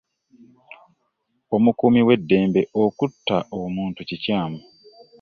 Omukuumi weddembe okutta omuntu kikyamu.